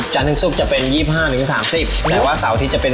จานถึงสุกจะเป็น๒๕๓๐แต่ว่าเสาที่จะเป็น๓๐๓๕